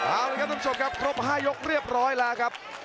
เอาละครับท่านผู้ชมครับครบ๕ยกเรียบร้อยแล้วครับ